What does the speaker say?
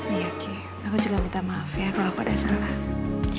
iya aku juga minta maaf ya kalau aku ada serangan